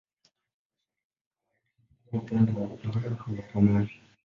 Mashariki kawaida huwa upande wa kulia kwenye ramani.